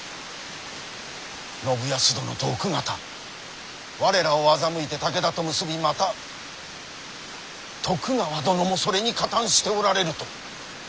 信康殿と奥方我らを欺いて武田と結びまた徳川殿もそれに加担しておられると。